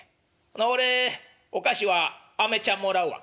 ほな俺お菓子はアメちゃんもらうわ」。